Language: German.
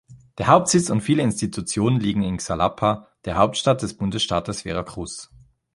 Der Hauptsitz und viele Institutionen liegen in Xalapa, der Hauptstadt des Bundesstaates Veracruz.